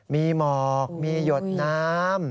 มีหมอกมีหยดน้ำ